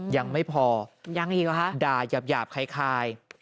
ยังไม่พอด่าหยาบคล้ายยังไม่พอด่าหยาบคล้าย